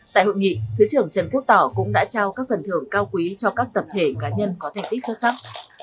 tại hội nghị thứ trưởng trần quốc tỏ cũng đã trao các phần thưởng cao quý cho các tập thể cá nhân có thành tích xuất sắc